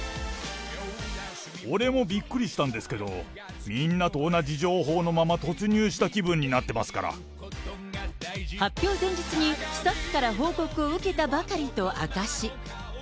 俺もびっくりしたんですけど、みんなと同じ情報のまま、発表前日に、スタッフから報告を受けたばかりと明かし。